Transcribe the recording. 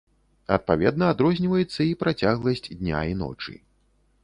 Адпаведна адрозніваецца і працягласць дня і ночы.